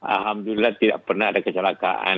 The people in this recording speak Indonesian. alhamdulillah tidak pernah ada kecelakaan